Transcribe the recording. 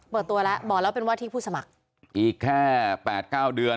เปิดตัวแล้วบอกแล้วเป็นว่าที่ผู้สมัครอีกแค่แปดเก้าเดือน